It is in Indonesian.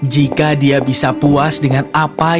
jika dia bisa puas dengan apa yang